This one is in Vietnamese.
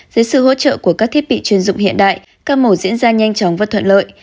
dưới sự hỗ trợ của các thiết bị chuyên dụng hiện đại các mẫu diễn ra nhanh chóng và thuận lợi